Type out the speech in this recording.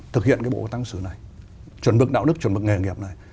thực hiện cái bộ tăng xử này